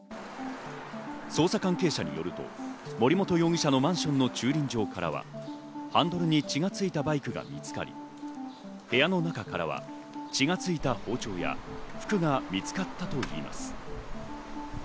捜査関係者によると、森本容疑者のマンションの駐輪場からはハンドルに血がついたバイクが見つかり、部屋の中からは血がついた包丁や服が見つかったといいます。